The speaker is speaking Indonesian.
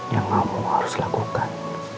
yang kamu harus lakukan